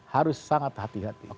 harus sangat hati hati